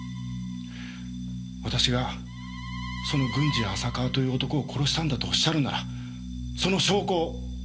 私がその軍司や浅川という男を殺したんだとおっしゃるならその証拠を。